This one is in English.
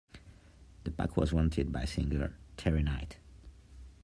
The Pack was fronted by singer, Terry Knight.